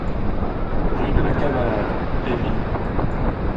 Rue de la Cabalade, Les Vignes